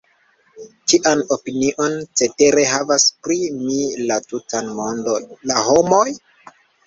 Kian opinion cetere havas pri mi la tuta mondo, la homoj?